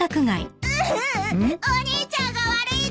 ・お兄ちゃんが悪いんだ！